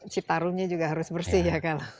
citarumnya juga harus bersih ya kalau